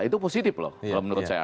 itu positif loh kalau menurut saya